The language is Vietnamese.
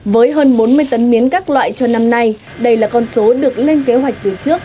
với hơn bốn mươi tấn miến các loại cho năm nay đây là con số được lên kế hoạch từ trước